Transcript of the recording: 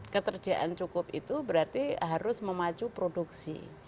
ketersediaan cukup itu berarti harus memaju produksi